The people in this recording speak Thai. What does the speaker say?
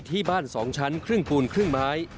ที่บ้าน๒ชั้นครึ่งปูนครึ่งไม้